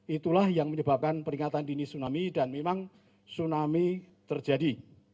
itulah yang menyebabkan peringatan dini tsunami dan memang tsunami terjadi